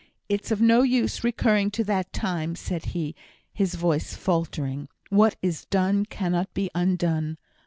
It's of no use recurring to that time," said he, his voice faltering; "what is done cannot be undone.